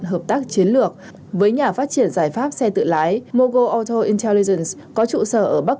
hợp tác chiến lược với nhà phát triển giải pháp xe tự lái mogo auto intelligents có trụ sở ở bắc